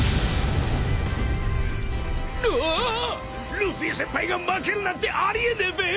ルフィ先輩が負けるなんてあり得ねえべ！